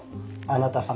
あなた様。